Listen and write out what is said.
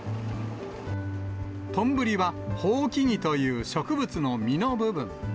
とんぶりは、ホウキギという植物の実の部分。